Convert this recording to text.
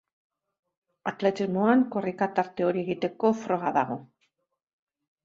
Atletismoan korrika tarte hori egiteko froga dago.